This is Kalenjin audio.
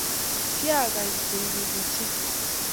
Kyagay koek keny ochei